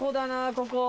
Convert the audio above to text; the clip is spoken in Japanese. ここ。